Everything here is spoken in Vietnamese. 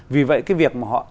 vì vậy cái việc mà họ